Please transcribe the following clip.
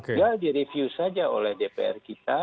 tinggal direview saja oleh dpr kita